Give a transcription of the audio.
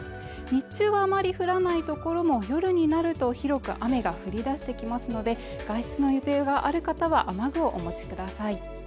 日中はあまり降らない所も夜になると広く雨が降り出してきますので外出の予定がある方は雨具をお持ちください